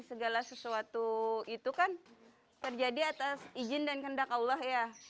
segala sesuatu itu kan terjadi atas izin dan kehendak allah ya